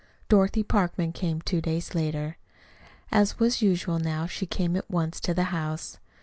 Dorothy Parkman came two days later. As was usual now she came at once to the house.